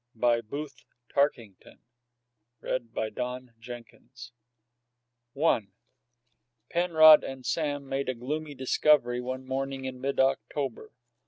BOOTH TARKINGTON A Reward of Merit I Penrod and Sam made a gloomy discovery one morning in mid October.